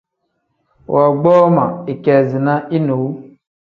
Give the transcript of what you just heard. Woogboo ma ikeezina inewu.